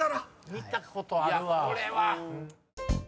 見たことあるわ。